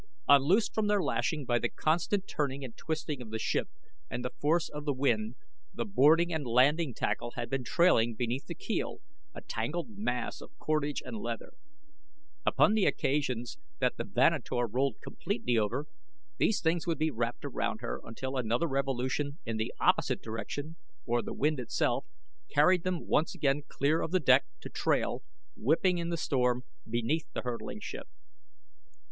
Unloosed from their lashing by the constant turning and twisting of the ship and the force of the wind, the boarding and landing tackle had been trailing beneath the keel, a tangled mass of cordage and leather. Upon the occasions that the Vanator rolled completely over, these things would be wrapped around her until another revolution in the opposite direction, or the wind itself, carried them once again clear of the deck to trail, whipping in the storm, beneath the hurtling ship.